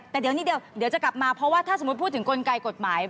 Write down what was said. แต่เดี๋ยวนี่เดี๋ยวเดี๋ยวจะกลับมาเพราะว่าถ้าสมมติพูดถึงกลไกกฎหมาย